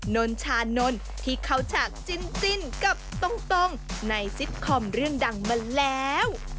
นนชานนท์ที่เขาฉากจิ้นกับตรงในซิตคอมเรื่องดังมาแล้ว